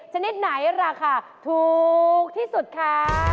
ชนิดไหนราคาถูกที่สุดคะ